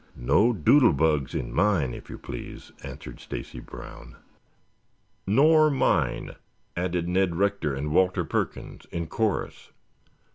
"No doodle bugs in mine, if you please," answered Stacy Brown. "Nor mine," added Ned Rector and Walter Perkins in chorus.